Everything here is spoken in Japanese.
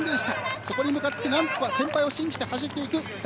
そこを向かって何とか先輩を信じて走っていく。